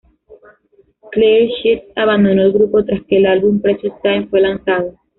Clair Sheets abandono el grupo tras que el álbum "Precious Time" fue lanzado.